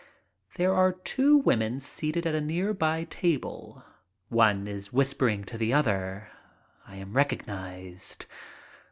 There are two women seated at a near by table. One is whispering to the other. I am recognized.